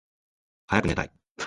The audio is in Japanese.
はやくねたい